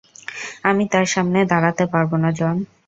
আমি তার সামনে দাঁড়াতে পারব না, জন।